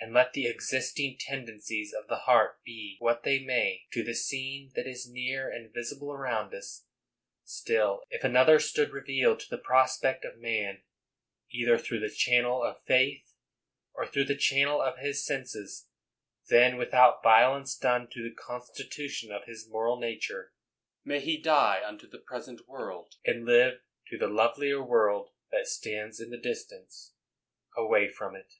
And let the existing tendencies of the heart be what they may to the scene that is near and visible around us, still if another stood revealed to the prospect of man, either through the chan nel of faith, or through the channel of his senses, then, without violence done to the con stitution of his moral nature, may he die unto the present world, and live to the lovelier world that stands in the distance away from it.